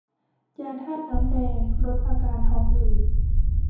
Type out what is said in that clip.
ยาธาตุน้ำแดง ลดอาการท้องอืด